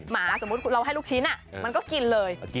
หมาสมมุติเราให้ลูกชิ้นมันก็กินเลย